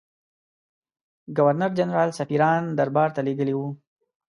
ګورنرجنرال سفیران دربارته لېږلي وه.